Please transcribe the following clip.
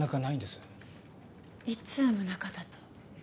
いつ宗形と？